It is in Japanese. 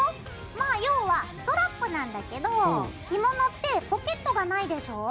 まあ要はストラップなんだけど着物ってポケットがないでしょ？